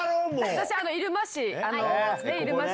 私入間市。